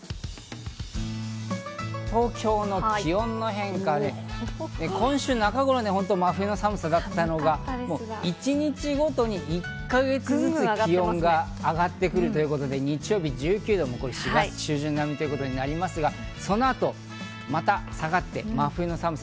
東京の気温の変化、今週中頃、真冬の寒さだったのが一日ごとに、１か月ずつ気温が上がってくるということで、日曜日１９度、４月中旬並みとなりますが、そのあとまた下がって、真冬の寒さ。